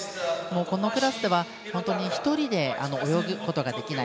このクラスでは本当に１人で泳ぐことができない。